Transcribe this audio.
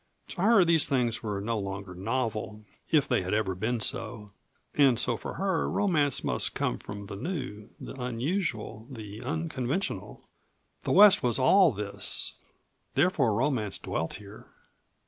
To her these things were no longer novel, if they had ever been so and so for her romance must come from the new, the unusual, the unconventional. The West was all this, therefore romance dwelt here.